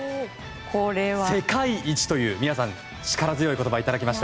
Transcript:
世界一という美和さん、力強い言葉をいただきました。